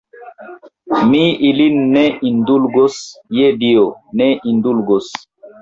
Mi ilin ne indulgos, je Dio, ne indulgos.